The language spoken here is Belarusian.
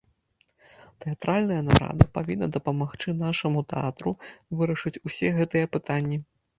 Тэатральная нарада павінна дапамагчы нашаму тэатру вырашыць усе гэтыя пытанні.